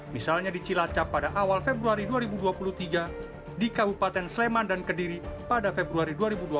misalnya di cilacap pada awal februari dua ribu dua puluh tiga di kabupaten sleman dan kediri pada februari dua ribu dua puluh